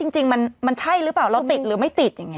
จริงมันใช่หรือเปล่ามันติดหรือไม่ติด